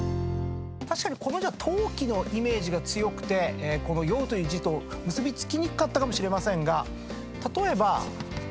確かにこの字は陶器のイメージが強くてこの「酔う」という字と結び付きにくかったかもしれませんが例えば。